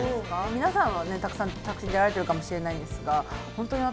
皆さんはねたくさん作品出られてるかもしれないんですが本当に私